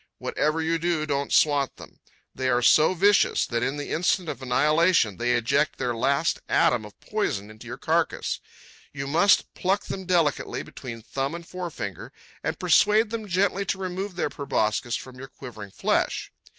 Whatever you do, don't swat them. They are so vicious that in the instant of annihilation they eject their last atom of poison into your carcass. You must pluck them delicately, between thumb and forefinger, and persuade them gently to remove their proboscides from your quivering flesh.